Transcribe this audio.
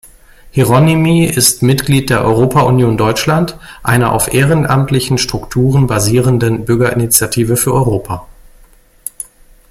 Hieronymi ist Mitglied der Europa-Union Deutschland, einer auf ehrenamtlichen Strukturen basierenden Bürgerinitiative für Europa.